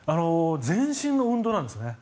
全身の運動なんですよね。